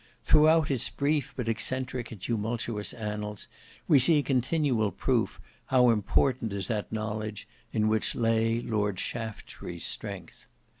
Throughout its brief but eccentric and tumultuous annals we see continual proof, how important is that knowledge "in which lay Lord Shaftesbury's strength."